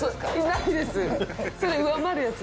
ないです。